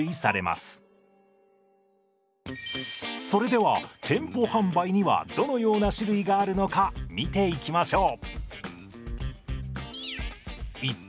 それでは店舗販売にはどのような種類があるのか見ていきましょう。